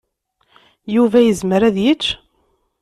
Yuba yezmer ad yečč?